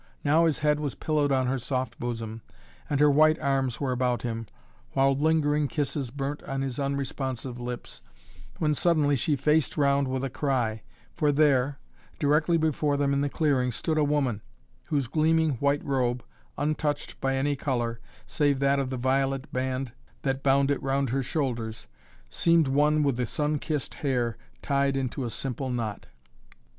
Now his head was pillowed on her soft bosom and her white arms were about him, while lingering kisses burnt on his unresponsive lips, when suddenly she faced round with a cry, for there, directly before them in the clearing, stood a woman, whose gleaming white robe, untouched by any color, save that of the violet band that bound it round her shoulders, seemed one with the sun kissed hair, tied into a simple knot.